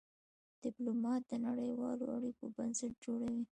ډيپلومات د نړېوالو اړیکو بنسټ جوړوي.